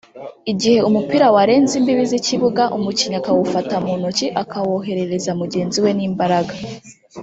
Igihe umupira warenze imbibi z’ikibuga umukinnyi akawufata mu ntoki akawoherereza mugenzi we n’imbaraga